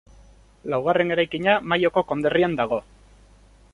Laugarren eraikina Mayoko konderrian dago.